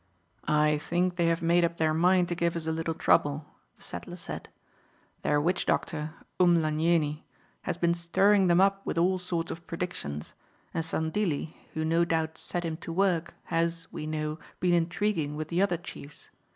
"I think they have made up their mind to give us a little trouble," the settler said. "Their witch doctor, Umlanjeni, has been stirring them up with all sorts of predictions, and Sandilli, who no doubt set him to work, has, we know, been intriguing with the other chiefs.